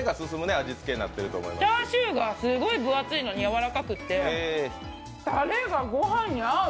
チャーシューがすごい分厚いのにやわらかくって、タレがごはんに合う！